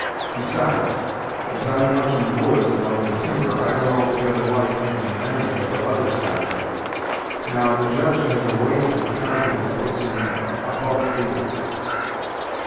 Besides, as I'm much in the woods, among the timber, I don't altogether like making an enemy of the Leather Stocking. Now, the Judge has a weight in the county that puts him above fear."